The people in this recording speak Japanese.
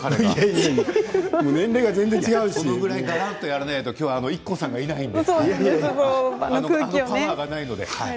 そのぐらい、がらっとやらないと、きょうはＩＫＫＯさんがいないのであのパワーがないので。